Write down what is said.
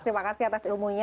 terima kasih atas ilmunya